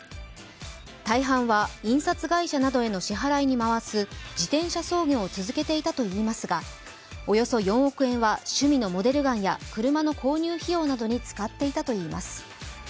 大半は印刷会社などへの支払いに回す自転車操業を続けていたといいますがおよそ４億円は趣味のモデルガンや車の購入費用などに使っていたといいます。